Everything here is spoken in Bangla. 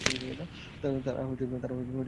তারা আসতে থাকে।